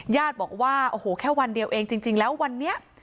ญาติบอกว่าโอ้โหแค่วันเดียวเองจริงแล้ววันนี้